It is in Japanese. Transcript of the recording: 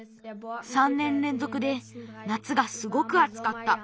３ねんれんぞくでなつがすごくあつかった。